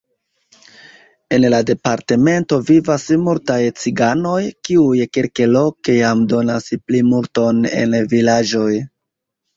En la departemento vivas multaj ciganoj, kiuj kelkloke jam donas plimulton en vilaĝoj.